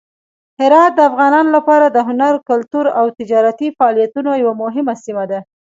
هرات د افغانانو لپاره د هنر، کلتور او تجارتي فعالیتونو یوه مهمه سیمه ده.